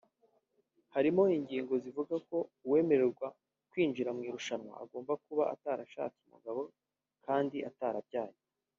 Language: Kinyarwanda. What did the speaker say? harimo ingingo zivuga ko uwemererwa kwinjira mu irushanwa agomba kuba atarashaka umugabo kandi atarabyaye